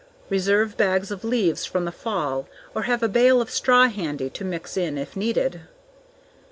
Reserve bags of leaves from the fall or have a bale of straw handy to mix in if needed.